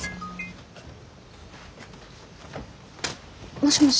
もしもし？